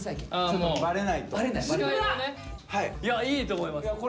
いやいいと思います。